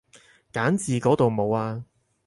揀字嗰度冇啊